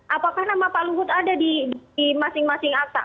apakah nama pak luhut ada di masing masing akta